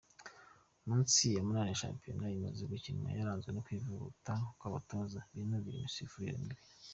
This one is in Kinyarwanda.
Iminsi umunani ya shampiyona imaze gukinwa yaranzwe no kwivovota kw’abatoza binubira imisifurire mibi.